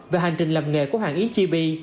về hành trình làm nghề của hoàng yến chi bi